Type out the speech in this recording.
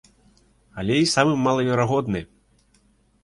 Але і самы малаверагодны.